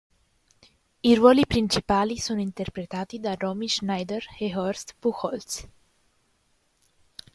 I ruoli principali sono interpretati da Romy Schneider e Horst Buchholz.